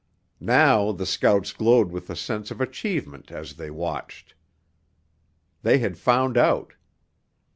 Now the scouts glowed with the sense of achievement as they watched. They had found out.